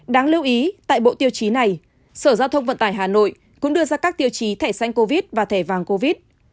đáng lưu ý tại bộ tiêu chí này sở giao thông vận tải hà nội cũng đưa ra các tiêu chí thẻ xanh covid và thẻ vàng covid